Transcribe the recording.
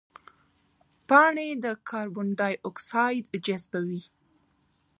پاڼې د کاربن ډای اکساید جذبوي